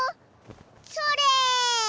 それ！